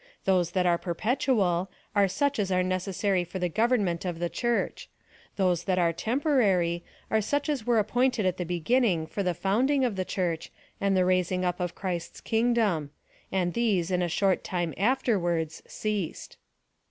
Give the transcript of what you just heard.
Those that are per petual, are such as are necessary for the government of the Church ; those that are temporary, are such as were ap pointed at the beginning for the founding of the Church, and the raising up of Christ's kingdom ; and these, in a short time afterwards, ceased.